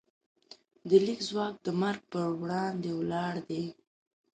د لیک ځواک د مرګ پر وړاندې ولاړ دی.